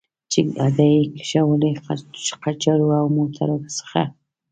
چې ګاډۍ یې کشولې، قچرو او موټرو څخه.